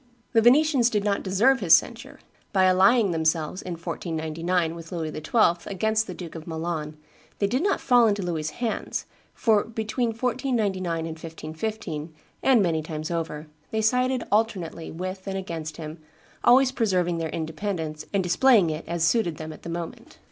The Venetians did not deserve his censure. By allying themselves, in 1499, with Louis XII. against the Duke of Milan, they did not fall into Louis's hands, for, between 1499 and 1515, and many times over, they sided alternately with and against him, always preserving their independence and displaying it as suited them at the moment.